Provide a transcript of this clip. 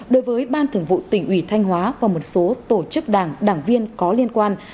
đối với ban thường vụ tỉnh ủy thanh hóa và một số tổ chức đảng đảng viên có liên quan